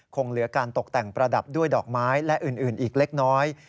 คงเหลือการตกแต่งประดับด้วยดอกไม้และอื่นอีกเล็กน้อย